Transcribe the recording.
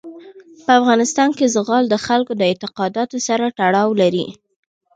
په افغانستان کې زغال د خلکو د اعتقاداتو سره تړاو لري.